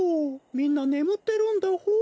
みんなねむってるんだホー。